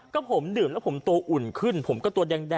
ก็ผมดื่มแล้วผมตัวอุ่นขึ้นผมก็ตัวแดง